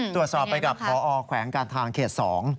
ตรวจสอบไปกับพอแขวงการทางเขต๒